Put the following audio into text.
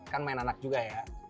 kan main anak juga ya